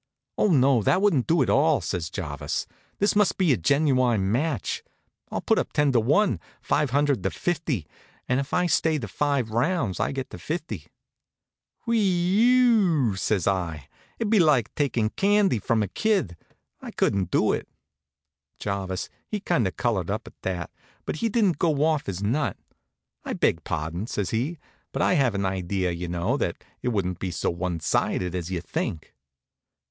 "Oh, no, that wouldn't do at all," says Jarvis. "This must be a genuine match. I'll put up ten to one, five hundred to fifty; and if I stay the five rounds I get the fifty." "Whe e ew!" says I. "It'd be like takin' candy from a kid. I couldn't do it." Jarvis, he kind of colored up at that, but he didn't go off his nut. "I beg pardon," says he; "but I have an idea, you know, that it wouldn't be so one sided as you think."